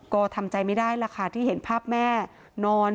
ก็ทำใจไม่ได้ล่ะค่ะที่เห็นภาพแม่นอน